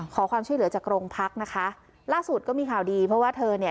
ขอความช่วยเหลือจากโรงพักนะคะล่าสุดก็มีข่าวดีเพราะว่าเธอเนี่ย